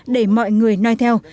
để mọi người nói theo